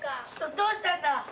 どどうしたんだ！